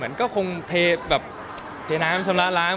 แต่ก็คงเทอน้ำทำล้าง